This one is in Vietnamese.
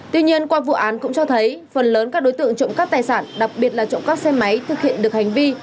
tuy nhiên qua vụ án cũng cho thấy phần lớn các đối tượng trộm cắp tài sản đặc biệt là trộm cắp xe máy thực hiện được hành vi